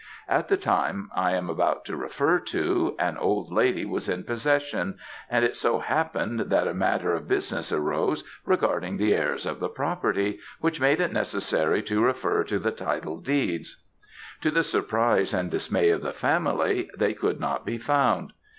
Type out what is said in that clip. At the time I am about to refer to, an old lady was in possession, and it so happened, that a matter of business arose regarding the heirs of the property, which made it necessary to refer to the title deeds. To the surprise and dismay of the family they could not be found.